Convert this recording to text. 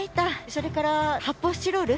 それから発泡スチロール。